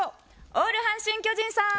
オール阪神・巨人さん！